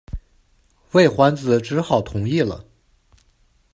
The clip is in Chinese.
魏桓子只好同意了。